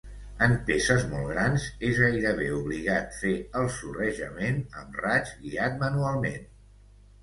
En peces molt grans és gairebé obligat fer el sorrejament amb raig guiat manualment.